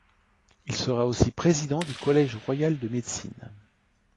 Il sera aussi président du Collège royal de médecine.